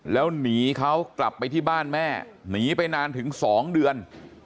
แล้วหนีเขากลับไปที่บ้านแม่หนีไปนานถึง๒เดือน